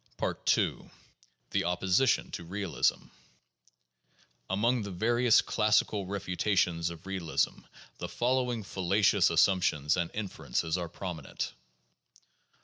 II. The Opposition to Realism. Among the various classic refu tations of realism the following fallacious assumptions and inferences are prominent.